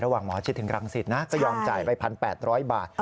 หมอชิดถึงรังสิตนะก็ยอมจ่ายไป๑๘๐๐บาท